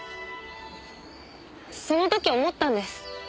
その時思ったんです。